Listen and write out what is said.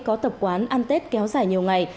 có tập quán ăn tết kéo dài nhiều ngày